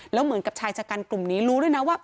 แล้วเหมือนกับชายชะกันกลุ่มนี้รู้ด้วยนะว่า